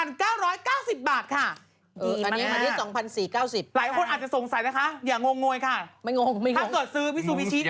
อันนี้มาที่๒๔๙๐บาทหลายคนอาจจะสงสัยนะคะอย่างงค่ะถ้าเกิดซื้อวิซูวิชี